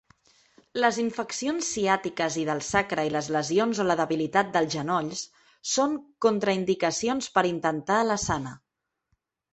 Les infeccions ciàtiques i del sacre i les lesions o la debilitat dels genolls són contraindicacions per intentar l'asana.